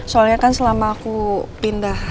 soalnya kan selama aku pindah